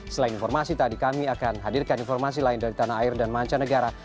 selain informasi tadi kami akan hadirkan informasi lain dari tanah air dan mancanegara